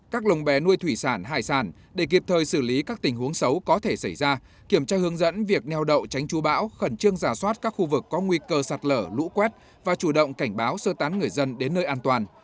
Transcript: các lồng bé nuôi thủy sản hải sản để kịp thời xử lý các tình huống xấu có thể xảy ra kiểm tra hướng dẫn việc neo đậu tránh chú bão khẩn trương giả soát các khu vực có nguy cơ sạt lở lũ quét và chủ động cảnh báo sơ tán người dân đến nơi an toàn